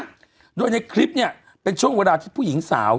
ด้วยในคลิปเนี่ยเป็นช่วงเวลาที่ผู้หญิงสาว